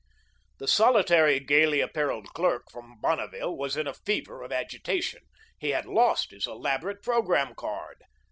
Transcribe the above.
The solitary gayly apparelled clerk from Bonneville was in a fever of agitation. He had lost his elaborate programme card.